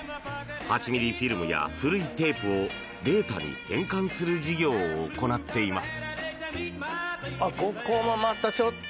８ｍｍフィルムや古いテープをデータに変換する事業を行っています。